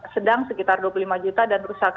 sedang sekitar dua puluh lima juta dan rusak